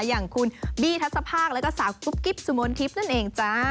อย่างคุณบี้ทัศภาคแล้วก็สาวกุ๊บกิ๊บสุมนทิพย์นั่นเองจ้า